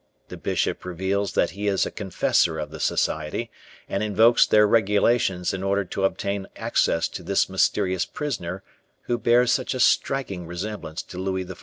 The bishop reveals that he is a confessor of the society, and invokes their regulations in order to obtain access to this mysterious prisoner who bears such a striking resemblance to Louis XIV...